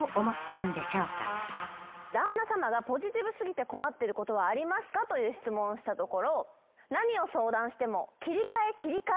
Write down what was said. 旦那さまがポジティブ過ぎて困ってることはありますかという質問をしたところ。